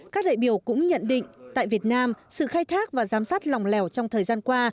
các đại biểu cũng nhận định tại việt nam sự khai thác và giám sát lòng lẻo trong thời gian qua